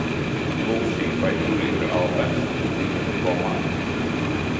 Lūsij, vai tur ir Alberts un viņa komanda?